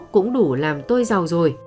cũng đủ làm tôi giàu rồi